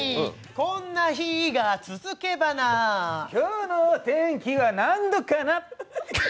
こんな日が続けばな今日の天気は何度かな。